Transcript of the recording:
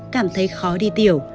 cảm thấy khó đi tiểu